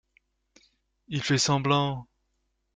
Il fait semblant.